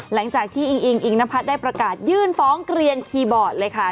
หลังจากที่อิงอิงอิงนพัฒน์ได้ประกาศยื่นฟ้องเกลียนคีย์บอร์ดเลยค่ะ